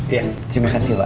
iya terima kasih pak